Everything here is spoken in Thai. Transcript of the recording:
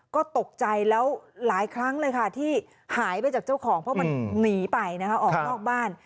ก็ตกใจแล้วหลายครั้งเลยค่ะที่หายไปจากเจ้าของเพราะมันหนีไปนะคะออกนอกบ้าน